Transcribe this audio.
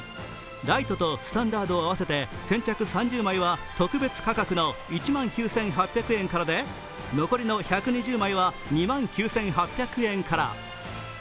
ライトとスタンダード合わせて先着３０枚は特別価格の１万９８００円からで、残りの１２０枚は２万９８００円から。